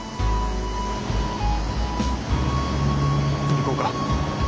行こうか。